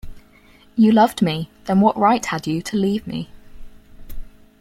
You loved me — then what right had you to leave me?